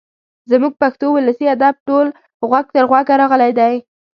زموږ پښتو ولسي ادب ټول غوږ تر غوږه راغلی دی.